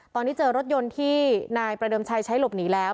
ตอนนี้เจอรถยนต์ที่นายประเดิมชัยใช้หลบหนีแล้ว